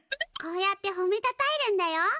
こうやってほめたたえるんだよ。